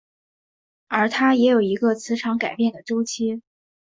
而它也有一个磁场改变的周期。